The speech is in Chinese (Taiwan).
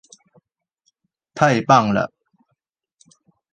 太棒了！